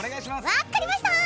分かりましたー！